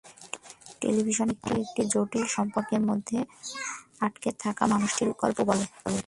Television ধারাবাহিকটি একটি জটিল সম্পর্কের মধ্যে আটকে থাকা মানুষের গল্প বলে।